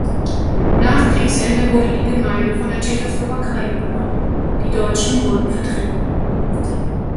Nach Kriegsende wurde die Gemeinde von der Tschechoslowakei übernommen; die Deutschen wurden vertrieben.